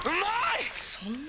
そんなに！？